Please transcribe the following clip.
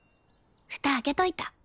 ふた開けといた。